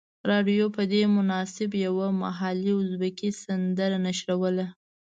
رادیو په دې مناسبت یوه محلي ازبکي سندره نشروله.